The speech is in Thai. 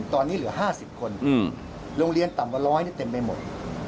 ตอนนี้เหลือห้าสิบคนอืมโรงเรียนต่ำว่าร้อยเนี้ยเต็มไปหมด